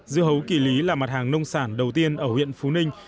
dưa hấu kỳ lý là mặt hàng nông sản đầu tiên ở huyện phú ninh